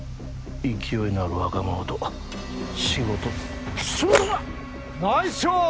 勢いのある若者と仕事するのは・ナイスショット！